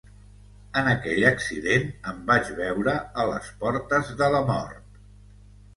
En aquell accident, em vaig veure a les portes de la mort.